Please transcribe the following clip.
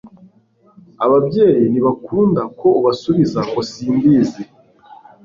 ababyeyi ntibakunda ko ubasubiza ngo simbizi